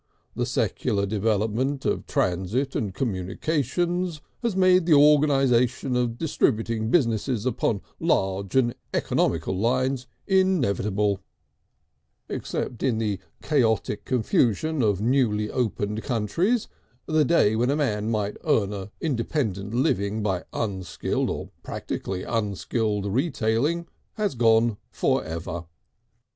The secular development of transit and communications has made the organisation of distributing businesses upon large and economical lines, inevitable; except in the chaotic confusions of newly opened countries, the day when a man might earn an independent living by unskilled or practically unskilled retailing has gone for ever.